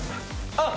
あっ。